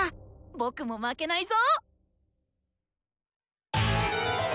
僕も負けないぞ！